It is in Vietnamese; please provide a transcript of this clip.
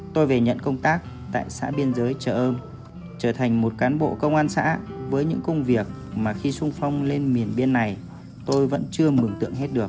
tôi về nhận công tác tại xã biên giới chợ âm trở thành một cán bộ công an xã với những công việc mà khi sung phong lên miền biên này tôi vẫn chưa mừng tượng hết được